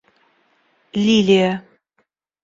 Лилия